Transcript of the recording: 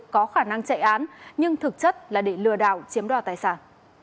có khả năng chạy án nhưng thực chất là để lừa đảo chiếm đoạt tài sản